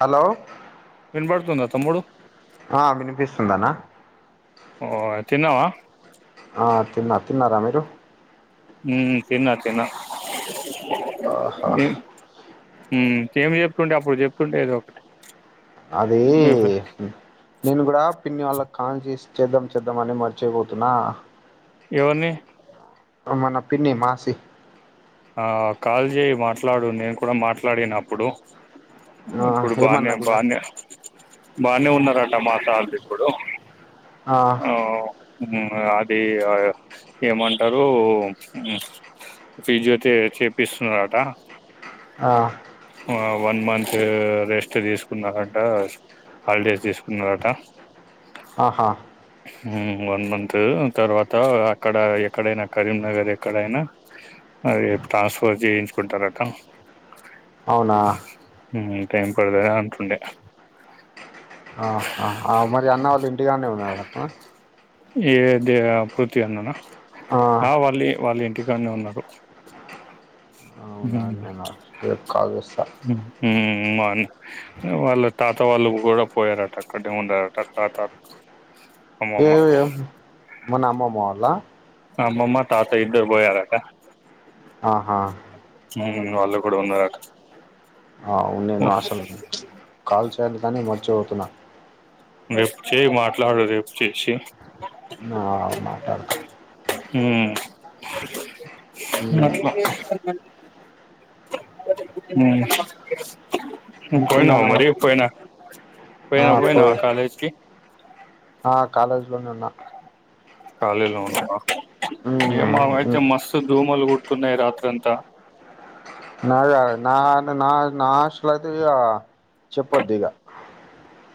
Hello నేన్ బాడుతుంద త మోడు ఆ వినిపిస్తుందనా తిన ఆ తిన్న తిన్నారా మీరు హ తిన్న తిన్న ఆా ఏం చెప్తుంటే అప్పుడు చెప్తుంటే ఏదో ఒకటి అదే మీ ఫ్రె నేను కూడా పిన్ని వాళ్ళ కాల్ చేసి చేద్దాం చేద్దాం అని మర్చియిపోతున్నా ఎవని అమన పిన్నీ మాసి ఆ కాల్ చేయి మాట్లాడు నేను కూడా మాట్లాడిన అప్పుడు ఆ ఇప్పుడు బానే ఏమన్నది మరి బానే బాగానే ఉన్నారట మా సార్లు ఇప్పుడు ఆ అది ఏమంటారు ఫిజిో చేపిస్తున్నట ఆ వన్ మంత్ రెస్ట్ తీసుకున్నారట హాలిడేస్ తీసుకున్నారట ఆహా వన్ మంత్ తర్వాత అక్కడ ఎక్కడైనా కరీంనగర్ ఎక్కడైనా అరేప్ ట్రాన్స్ఫర్ చేయించుకుంటారట అవునా హ్మ్ టైం పడుతదే అంటుండే ఆ ఆ మరి అన్నవాళ్ళు ఇంటిగానే ఉన్నారు అంటనా ఎందే పృతి అన్నానా ఆ వాళ్ళీ వాళ్ళు ఇం టి కానే ఉన్నారు అవునా హ్మ్ నేను రేపు కాల్ చేస్తా ఉమ్మాని వాళ్ళ తాత వాళ్ళు కూడా పోయారట అక్కడే ఉండారట తాత అమ్మమ్మ ఏమీ మన అమ్మమ్మ వాళ్ళ అమ్మమ్మ తాతయ్య ఇద్దరు పోయారట ఆహా ఇంగ వాళ్ళు కూడా ఉన్నారు అట ఆ ఉన్నింనా అసలు కాల్ చేయాలి కానీ మార్చేపోవుతున్నా రేపు చెయ్ మాట్లాడు రేపు చేసి నా మాట్లాడుత హ్మ్ మ్మ్. అట్ల హ్మ్ పోయినావా మరి పోయినా ఆ పోయినా పోయినావా పోయి కాలేజ్ కి ఆ కాలేజ్ లోనే ఉన్నా కాలేజ్ లో నే ఉన్నావా ఏం మామ అయితే మ్మ్. మస్త్ ధూమ్ మ్మలు గుడుతున్నాయి రాత్రంతా నాది గా నా నా నా హాస్టల్ అయితే ఇగ చెప్పొద్దు ఇగ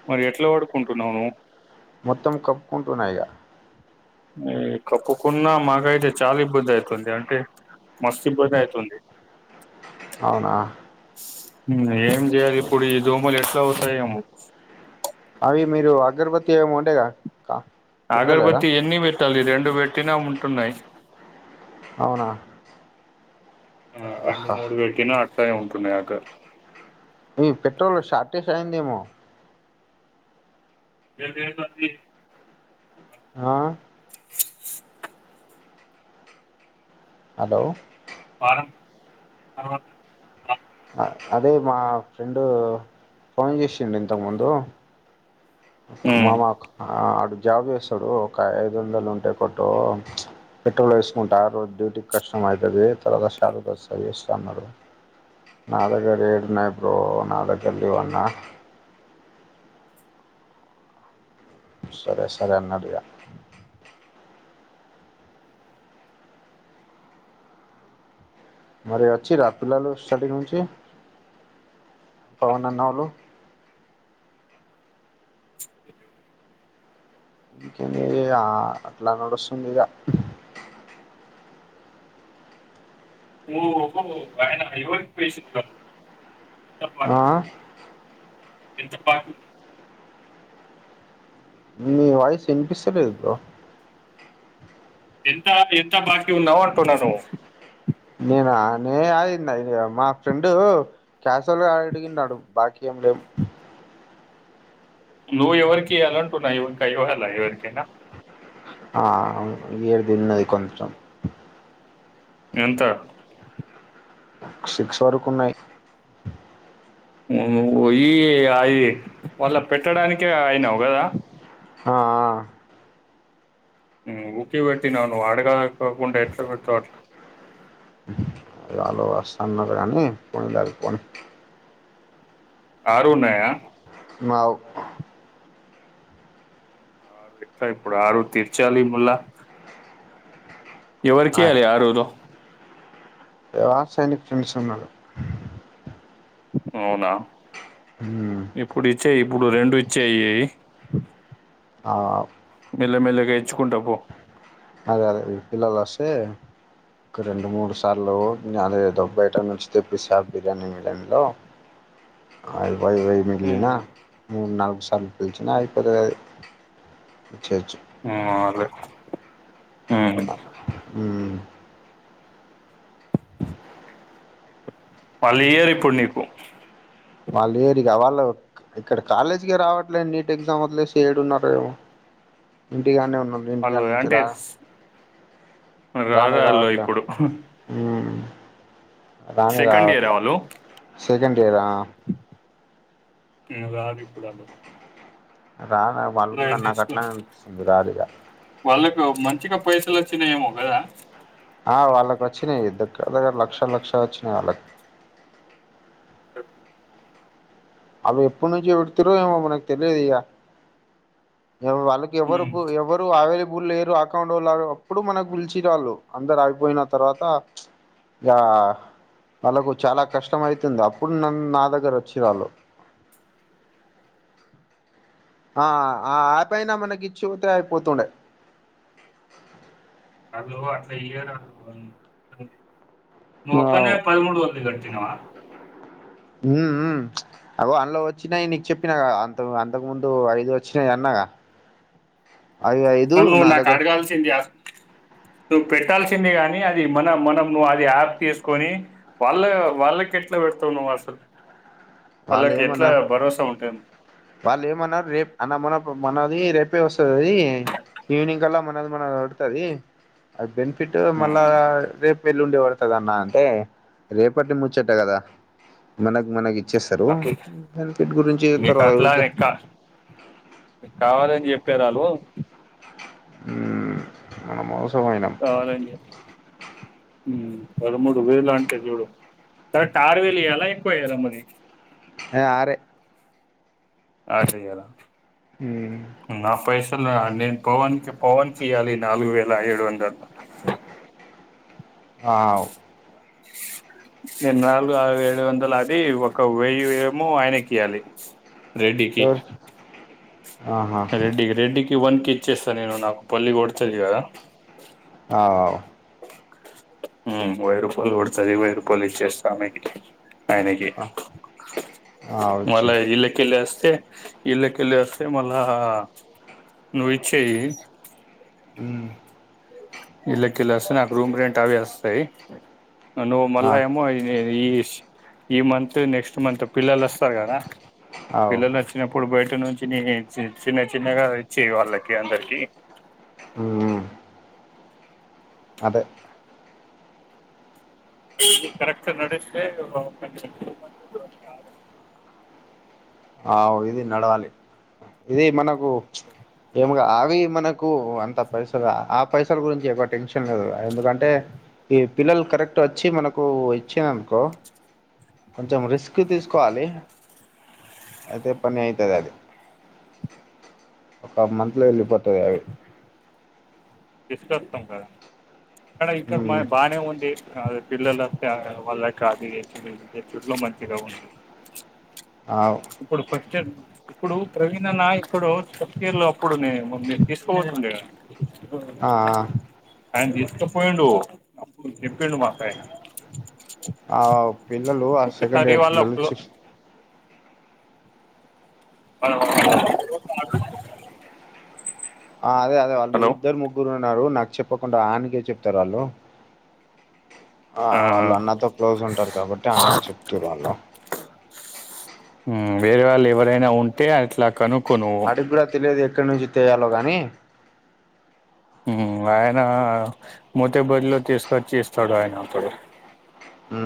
మరి ఎట్లా పడుకుంటున్నావు నువ్వు మొత్తం కప్పుకుంటూన్నా ఇగ ఈ కప్పుకున్నా మాకైతే చాలా ఇబ్బంది అయితుంది అంటే మస్తు ఇబ్బంది అయితుంది అవునా హ్మ్ ఏం చెయాలి ఇప్పుడు ఈ దోమలు ఎట్లా పోతయేమో అవి మీరు అగర్బతి ఏమో ఉంటాయ్ గా కా పెడతలేరా అగర్భతి ఎన్ని పెట్టాలి రెండు పెట్టినా ఉంటున్నాయి అవునా ఆ రెండు మూడు పెట్టినా అట్ల నే ఉంటున్నాయి ఓకే ఈ పెట్రోల్ షార్టేష్ అయిందేమో ఏంది ఏంది అంది ఆ హలో వారం [unintelligible] అదే మా ఫ్రెండు ఫోన్ చేసిండు ఇంతకు ముందు మామక్ అడు జాబ్ చేస్తాడు ఒక ఐదు వందలు ఉంటే కొట్టు పెట్రోల్ వేసుకుంటా రోజు డ్యూటీ కష్టం అయితది తర్వాత [unintelligible] వస్తంది ఇస్తా అన్నాడు నా దెగ్గర ఏడ ఉన్నాయ్ బ్రో నా దెగ్గర లేవు అన్నా సరే సరే అన్నడు ఇగ మరి వచ్చిరా పిల్లలు స్టడీ నుంచి పవన్ అన్నోళ్లు ఇంకేం ఇగ అట్లా నడుస్తుంది ఇగ ఓహో ఆ ఎంత పాకుంది మీ వయిస్ ఇనిపిస్తలేదు బ్రో ఎంత ఎంత బాకీ ఉన్నావ్ అంటున్నాను నేనా నేను గాదు [inaudible] మా ఫ్రెండు కాసేల్గా అడిగిండాడు బాకీ వుండద్ నువ్వు ఎవరికి ఈయాలంటూన్నా ఇవకా ఇవ్వాల్న ఎవరికైన ఆ ఏడున్నై కొంచెం ఎంత సిక్స్ వరకున్నాయి నువ్ బోయి ఇగ అయి వల్ల పెట్టడానికే అయినావు కదా హా ఆ నూ ఊకే బెట్టిన నువ్ అడగకోకుంటే ఎట్లా పెడటావ్ అట్లా ఆల్ ఆల్ వస్తాంన్నారు గాని పోన్లే పోని ఆరు ఉన్నాయా నాకూ ఆరు ఎట్లా ఇప్పుడు ఆరు తిర్చాలీ ముల్లా ఎవరికియాలే ఆడూర్లో లాస్ట్ ఆయనకి ఫ్రెండ్స్ ఉన్నారు అవునా ఉమ్ ఇప్పుడు ఇచ్చే ఇప్పుడు రెండు ఇచ్చేయి ఆ మెల్ల మెల్ల గా ఇచ్చుకుంటా పో అదే అదే పిల్ల లొస్తే ఒక రెండు మూడు సార్లు నదేదో బయట నుంచి తెప్పిస్థా బిర్యానీ మిలన్లో ఆయిల్ వైవై ఉమ్, మిగిలిన మూడ్ నాలుగు సార్లు పిలిచినా అయిపోతదది వచ్చేచ్చు హు మారే ఊ పల్లీయర్ ఇప్పుడు నీకు మళ్ళెఏరి కావాల వర్క్ ఇక్కడ కాలేజీకె రావట్లే నీట్ ఎగ్జామ్ వదిలేసి ఏడు ఉన్నరో ఏమో ఇంటిగాడ్నే ఉన్ ముందు వాళ్ళు ఇంటికాడ్ నుంచి అంటే రా రారు రానే ఆళ్ళు రావట్ల ఇప్పుడు హ్మ్ రానే సెకండ్ ఇయరా రావట్ల వాళ్ళు సెకండ్ ఇయరా నువ్ రావిప్పుడాళ్లు రాలే వాళ్ళు కూడా నాకు మైనేస్కో అట్లానే అనిపిస్తుంది రారిగా వాళ్ళకు మంచిగా పైస్ స లోచినయేమో గదా ఆ వాళ్ళకి వచ్చినాయి దగ్గర దగ్గర లక్ష లక్ష వచ్చినాయి వాళ్ళకి అ అల్లు ఎప్పుడు నుంచి ఏడుతురో ఏమో మనకు తెలీదిగా ఎవ్ వాళ్ళకి ఉమ్, ఎవరుకు ఎవరు అవైల వూల్లేరు అకౌంట్ వోళ్ల అప్పుడు మనక్ పిలిచిరాల్లు అందరు అయిపోయిన తర్వాత ఇగా తనకు చాలా కష్టం అయితుంది అప్పుడు నన్ నా దగ్గరోచ్చి రాళ్ళు ఆ ఆ ఆ పైన మనకి ఇచ్చిపోతే అయిపోతుండే ఆల్లూ అట్లా ఇయరు ఆల్లూ [inaudible] నువ్ ఒక్కన్వే పదమూడు వందల్ కట్టినవా వు వు అగో అందులో వచ్చినాయి నీకు చెప్పినాక అంత అంతకు ముందు ఐదు వచ్చినాయి అన్నాగా ఐ ఐదు అసలు నా దగ్గర నువ్ పెట్టాల్సిందే గాని అది మన మనం నువ్వు అది యాప్ తీసుకొని వాళ్ళ వాళ్ళకెట్ ఎట్ల పెడుతవ్ నువ్ అసలు వాళ్ళకి వాల్లేమన్న ఎట్లా భరోసా ఉంటుంది వాళ్ళేమన్నార్ రేప్ అన్న మనకు మన ది రేపే వస్సది అది ఈవినింగ్ కల్లా మనది మనదివడుతది అది బెని ఫిట్ మళ్ళా ఉమ్, రేపు వెళ్లుండి పడుతదన్నా అంటే రేపటి ముచ్చట కదా మనకు మనకి చ్చేస్తారు అట్లా బెనిఫిట్ గురించి నీకు తర్వాత అట్లా చూద్దాం అని కా- కెరాలో ఉమ్ మనం అవస్ అవునండి హ్మ్ పదమూడు వేలు అంటే చూడు సరే ఆరువేలు ఇయ్యాల ఎక్కువియ్యాల మరి ఏ ఆరే ఆ చెయ్యాలా ఉమ్ నా పైసల నేను పవన్కి పవన్ కియ్యాలి నాలుగు వేల ఏడు వందలు ఆవ్ నేను నాలుగు ఆరు ఏడు వందలు అది ఒక వెయ్యి ఏమో ఆయనకియ్యాలి రెడ్డికి ఎవరు ఆహా రెడ్డికి రెడ్డికి వన్ కే ఇచ్చేస్తా నేను నాకు పల్లి కోడుతద్ కదా ఆ ఔ హుమ్ వెయ్ రూపాయలు పడతది వేయ్ రూపాయలు ఇచేస్త ఇంటికీ ఆయనకి ఆ మళ్ళ ఆవచ్చు ఇల్లకెల్లోస్ ఇళ్లకెల్లోస్తే మల్లా నువ్వు ఇచ్చేయ్ హుమ్ ఇళ్ళకెల్లోస్తే నాకు రూమ్ రెంట్ అవి వస్తాయి నువ్వు ఆ మళ్ళ ఏమో ఇదేది ఈ మంత్ నెక్స్ట్ మంత్ పిల్లలు వస్తారు కదా అవు పిల్లలు వచ్చినప్పుడు బయట ఇంటి నుంచి నే చిన్న చిన్నగా వచ్చి వాళ్ళకి అందరికి హుమ్ అదే అన్ని కరెక్ట్ నడిస్తే బాగుంటుంది ఆవ్ ఇది నడవాలి ఇది మనకు ఏమ్ అవి మనకు కు అంత పైసలు ఆ పైసల గురించి ఎక్కువ టెన్షన్ లేదు ఎందుకంటే ఈ పిల్లలు కరెక్ట్ వచ్చి మనకు ఇచ్చింరనుకో కొంచెం రిస్క్ తీసుకోవాలి అదే పని అయితది అది ఒక మంత్ లో ఎళ్ళిపోత్ తో గవి చెప్తాం కదా అక్కడ ఇంకా ఉమ్ బానే ఉంది అది పిల్లల వాల్ల కాపీ తెచుడ్ ఇది తెచ్చుడ్ లో మంచిగా ఉంది ఆవ్ ఇప్పుడు ఫస్ట్ ఇప్పుడు ప్రవీణ్ అన్న ఇక్కడ చప్గిర్ లో అప్పుడు నే తీసుకోపోయిండు కదా ఆ ఆ ఆయన తిస్కపోయిండు అప్పుడు చెప్పిండు మాకాయన ఆ పిల్లలు ఆ సెకండ్ ఇయర్ పిల్లలు వాళ్ళ చిస్ హలో వాళ్ళ ఆ అదే అదే వాళ్ళు ఇద్దరు ముగ్గురు ఉండారు నాకు చెప్పకుండా ఆయనికే చెప్తారు వాళ్ళు ఆ వాళ్ళు అన్నతో క్లోజ్ ఉంటారు కాబట్టి అన్నకి చెప్తుర్రు వాళ్ళు ఊ వేరే వాళ్ళు ఎవరైనా ఉంటే అట్లా కను వాడికి కూడా తెలియదు ఎక్కడి నుంచి తేయాలో గానీ ఊ ఆయన మోతేబరిలో తీసుకొచ్చి ఇస్తాడు ఆయన ఒకడు ఊ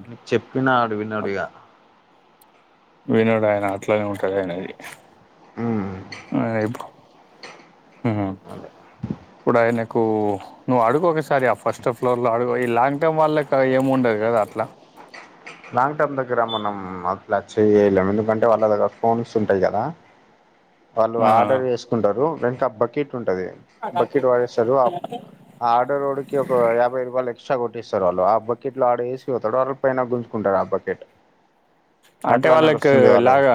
[inaudible] చెప్పినా అడు వినడు ఇగ వినడు ఆయన అట్లనే ఉంటాది ఆయనది ఊ అదే [unintelligible] ఇప్పుడు ఆయనకు నువ్వు అడుగ ఒకసారి ఆ ఫస్ట్ ఫ్లోర్ లో అడుగు ఈ లాంగ్ టైమ్ వాళ్ళకి ఏం ఉండదు కదా పట్లా లాంగ్ టర్మ్ దగ్గర మనం అట్లాచ్చ చేయలేము ఎందుకంటే వాళ్ళ దగ్గర ఫోన్స్ ఉంటాయి కదా వాళ్ళు ఆర్డర్ చేసుకుంటారు వెంక బకెట్ ఉంటుది బకెట్ వాడేస్తారు ఆర్డర్ వాడికి ఒక యాభై రూపాయలు ఎక్స్ట్రా కొ రిసర్వాు ఆ బకెట్ లో ఆడేసి పోతాడు అళ్ పైన గుంజుకుంటారు ఆ బకెట్ అంటే అట్లా వాళ్ళకి నడుస్తుంది వాళ్ళది లాగా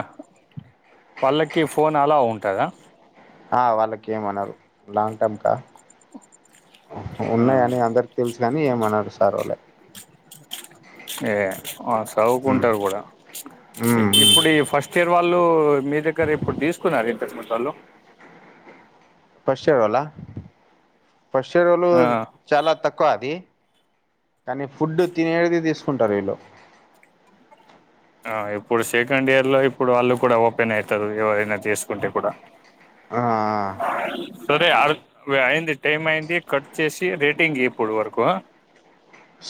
వాళ్ళకి ఫోన్ అలా ఉంటుందా ఆ వాళ్ళకి ఏమన్నారు లాంగ్ టమ్ కా ఉన్నాయ అని అందరికి తెలిసినని ఏమన్నారుడు సార్ వాళ్లే ఏ ఆ మ్మ్ చవుకుంటారు కూడా మ్మ్ ఇప్పుడు ఈ ఫస్ట్ ఇయర్ వాళ్ళ మీ దగ్గర ఇప్పుడు తీసుకున్నారు ఇంతక వాళ్ళు ఆ [unintelligible] చాలా తక్కువ అది కానీ ఫుడ్డు తినేది తీసుకుంటారు వీళ ఆ ఇప్పుడు సెకండ్ ఇయర్ లో ఇప్పుడు వాళ్ళు కూడా ఓపెన్ అవుతారు ఎవరైనా తీసుకుంటే కూడా ఆ సరే ఆ అయింది టైమ్ అయింది కట్ చేసి రేటింగ్ ఇప్పుడు వరకు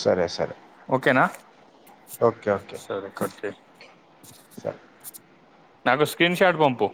సరే సరే ఓకేనా సరే కట్ చేయి సార్ నాకు స్క్రీన్ షాట్ పంపు